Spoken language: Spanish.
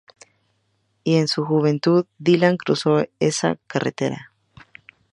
Y en su juventud, Dylan cruzó esa carretera.